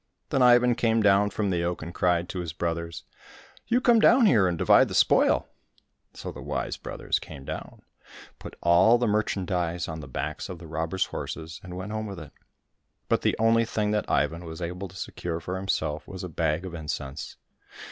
Then Ivan came down from the oak and cried to his brothers, " You come down here and divide the spoil !" So the wise brothers came down, put all the merchandise on the backs of the robbers' horses, and went home with it ; but the only thing that Ivan was able to secure for himself was a bag of incense.